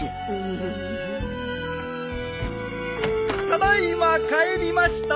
ただ今帰りました。